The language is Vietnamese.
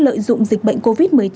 lợi dụng dịch bệnh covid một mươi chín